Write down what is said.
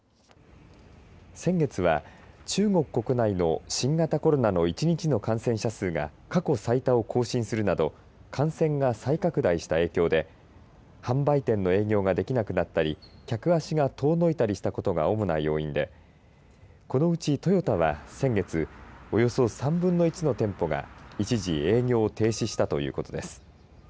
先月は中国国内の新型コロナの１日の感染者数が過去最多を更新するなど感染が再拡大した影響で販売店の営業ができなくなったり客足が遠のいたりしたことが主な要因でこのうちトヨタは先月およそ３分の１の店舗が一時、営業を停止したということです。